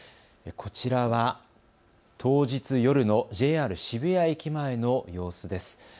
こちらは当日夜のＪＲ渋谷駅前の様子です。